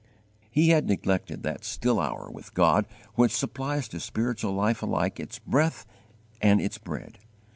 _ He had neglected that still hour' with God which supplies to spiritual life alike its breath and its bread.